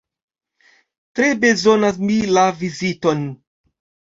Tre bezonas mi la viziton!